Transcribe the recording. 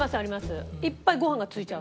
いっぱいご飯がついちゃう時。